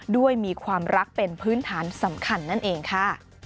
ด้วยความรักเป็นพื้นฐานสำคัญนั่นเองค่ะ